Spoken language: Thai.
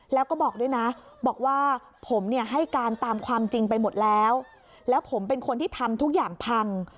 แล้วก็บอกด้วยนะบอกว่าผมเนี่ยให้การตามความจริงไปหมดแล้วแล้วผมเป็นคนที่ทำทุกอย่างพัง